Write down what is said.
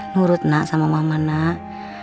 nurut nak sama mama nak